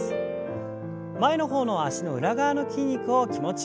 前の方の脚の裏側の筋肉を気持ちよく伸ばしてください。